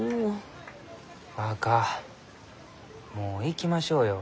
若もう行きましょうよ。